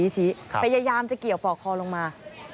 พยายามจะเกี่ยวปอกคอลงมา